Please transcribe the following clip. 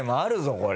これ。